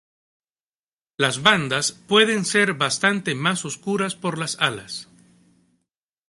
Las bandas pueden ser bastante más oscuras por las alas.